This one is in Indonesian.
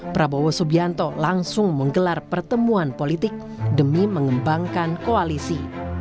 prabowo subianto langsung menggelar pertemuan politik demi mengembangkan koalisi